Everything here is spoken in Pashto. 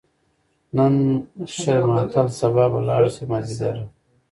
نن شه ماتل سبا به لاړ شې، مازدیګر ده